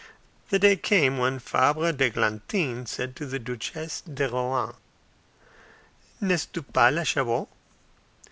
The day came when Fabre d'Eglantine said to the Duchesse de Rohan, "N'est tu pas la Chabot?"